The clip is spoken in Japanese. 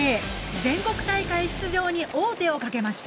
全国大会出場に王手をかけました。